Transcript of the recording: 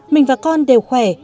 mình và con đều khỏe